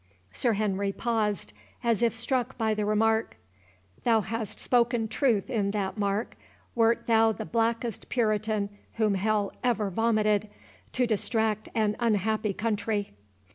Sir Henry paused, as if struck by the remark. "Thou hast spoken truth in that, Mark, wert thou the blackest Puritan whom hell ever vomited, to distract an unhappy country."